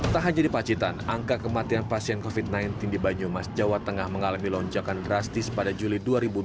tak hanya di pacitan angka kematian pasien covid sembilan belas di banyumas jawa tengah mengalami lonjakan drastis pada juli dua ribu dua puluh